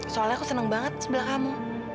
soalnya aku senang banget sebelah kamu